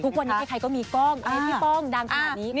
ทุกวันนี้ใครก็มีกล้องให้พี่ป้องดังขณะนี้ขอบคุณหน่อย